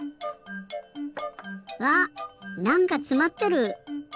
わっなんかつまってる！